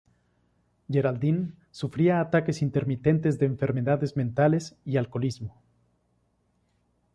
Geraldine sufriría ataques intermitentes de enfermedades mentales y alcoholismo.